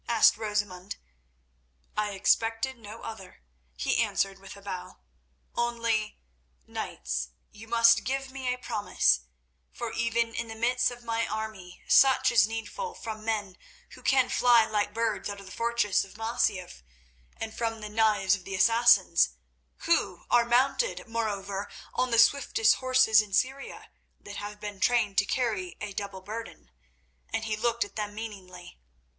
asked Rosamund. "I expected no other," he answered with a bow. "Only, knights, you must give me a promise, for even in the midst of my army such is needful from men who can fly like birds out of the fortress of Masyaf and from the knives of the Assassins—who are mounted, moreover, on the swiftest horses in Syria that have been trained to carry a double burden," and he looked at them meaningly.